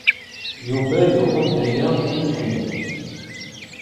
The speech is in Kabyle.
Yuba yuɣ-d aya i nekkni.